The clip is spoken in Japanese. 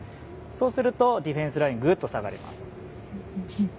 そうするとディフェンスラインがぐっと下がります。